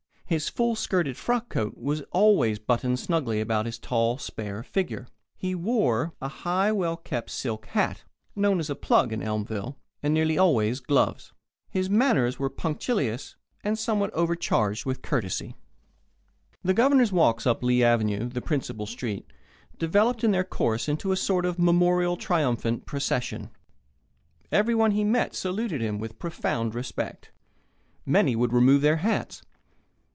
His full skirted frock croak was always buttoned snugly about his tall, spare figure. He wore a high, well kept silk hat known as a "plug" in Elmville and nearly always gloves. His manners were punctilious, and somewhat overcharged with courtesy. The Governor's walks up Lee Avenue, the principal street, developed in their course into a sort of memorial, triumphant procession. Everyone he met saluted him with profound respect. Many would remove their hats.